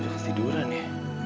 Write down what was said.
kok bisa ketiduran ya